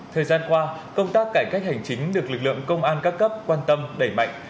thời gian qua công tác cải cách hành chính được lực lượng công an các cấp quan tâm đẩy mạnh